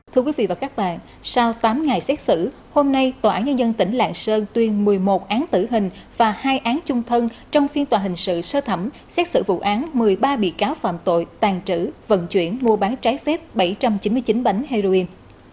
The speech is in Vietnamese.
thưa quý vị và các bạn sau tám ngày xét xử hôm nay tòa án nhân dân tỉnh lạng sơn tuyên một mươi một án tử hình và hai án chung thân trong phiên tòa hình sự sơ thẩm xét xử vụ án một mươi ba bị cáo phạm tội tàn trữ vận chuyển mua bán trái phép bảy trăm chín mươi chín bánh heroin